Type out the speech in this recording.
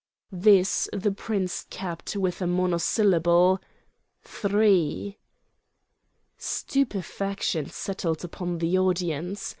This the prince capped with a monosyllable: "Three!" Stupefaction settled upon the audience.